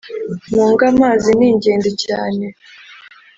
Mu ngo, amazi ningenzi cyane